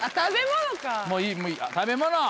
もういい食べ物。